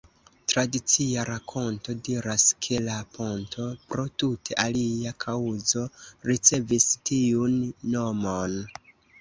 Tradicia rakonto diras ke la ponto pro tute alia kaŭzo ricevis tiun nomon.